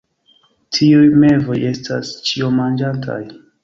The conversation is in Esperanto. Tiuj mevoj estas ĉiomanĝantaj.